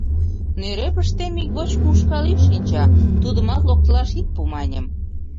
Нӧрепыштем ик вочко ушкал ӱй шинча, тудымат локтылаш ит пу, — маньым.